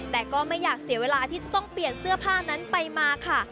แต่ก็ไม่อยากเสียเวลาที่จะต้องเปลี่ยนเสื้อผ้านั้นไปมาค่ะ